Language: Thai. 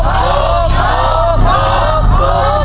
โครบโครบโครบโครบโครบโครบ